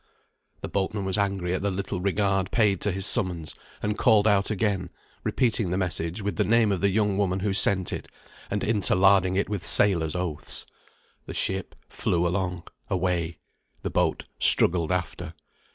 The boatman was angry at the little regard paid to his summons, and called out again; repeating the message with the name of the young woman who sent it, and interlarding it with sailors' oaths. The ship flew along away, the boat struggled after.